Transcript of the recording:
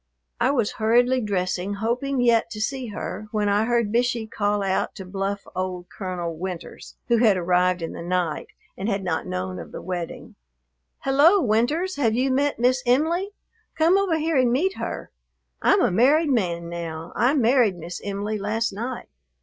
I was hurriedly dressing, hoping yet to see her, when I heard Bishey call out to bluff old Colonel Winters, who had arrived in the night and had not known of the wedding, "Hello! Winters, have you met Miss Em'ly? Come over here and meet her. I'm a married man now. I married Miss Em'ly last night."